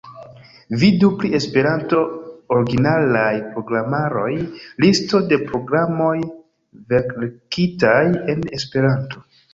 Vidu pri esperanto-originalaj programaroj: Listo de programoj verkitaj en Esperanto.